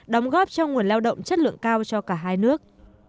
đóng góp cho nguồn lao động chất lượng cao cho cả hai nước